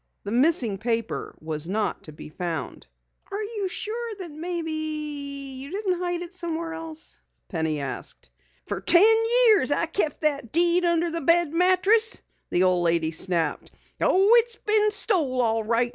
The missing paper was not to be found. "Are you sure you didn't hide it somewhere else?" Penny asked. "Fer ten years I've kept that deed under the bed mattress!" the old lady snapped. "Oh, it's been stole all right.